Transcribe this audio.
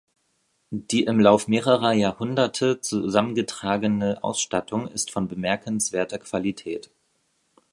Die im Lauf mehrerer Jahrhunderte zusammengetragene Ausstattung ist von bemerkenswerter Qualität.